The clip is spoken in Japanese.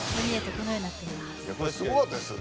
これすごかったですよ